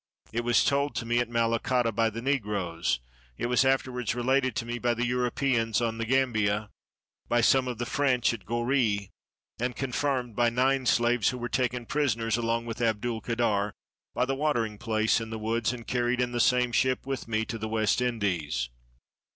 It was told me at Malacotta by the Negroes; it was afterwards related to me by the Europeans on the Gam bia, by some of the French at Goree, and confirmed by nine slaves who were taken prisoners along with Abdul kader by the watering place in the woods, and carried in the same ship with me to the West Indies.